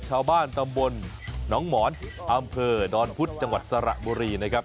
ชาวบ้านตำบลหนองหมอนอำเภอดอนพุธจังหวัดสระบุรีนะครับ